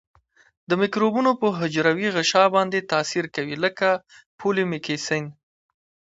د مکروبونو په حجروي غشا باندې تاثیر کوي لکه پولیمیکسین.